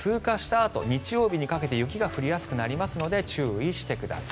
あと日曜日にかけて雪が降りやすくなりますので注意してください。